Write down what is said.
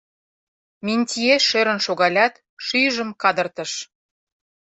Минтье шӧрын шогалят, шӱйжым кадыртыш.